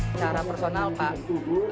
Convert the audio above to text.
secara personal pak